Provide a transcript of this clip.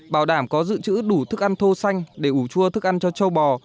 bảo đảm có dự trữ đủ thức ăn thô xanh để ủ chua thức ăn cho châu bò